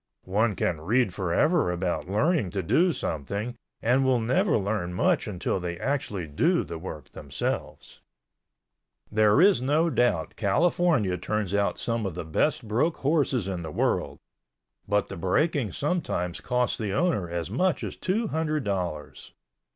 One can read forever about learning to do something and will never learn much until they actually do the work themselves. There is no doubt California turns out some of the best broke horses in the world, but the breaking sometimes costs the owner as much as two hundred dollars.